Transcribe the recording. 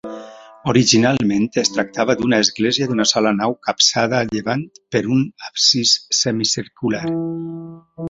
Originalment, es tractava d'una església d'una sola nau capçada a llevant per un absis semicircular.